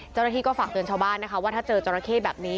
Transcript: เจ้าหน้าที่ก็ฝากเตือนชาวบ้านนะคะว่าถ้าเจอจราเข้แบบนี้